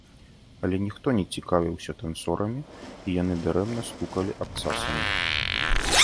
Але ніхто не цікавіўся танцорамі, і яны дарэмна стукалі абцасамі.